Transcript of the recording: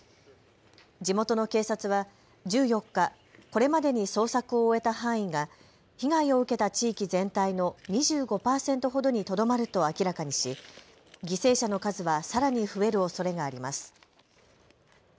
地元の警察は１４日、これまでに捜索を終えた範囲が被害を受けた地域全体の２５％ほどにとどまると明らかにし犠牲者の数はさらに増えるおそれがあります。